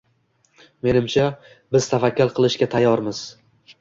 Menimcha, biz tavakkal qilishga tayyormiz.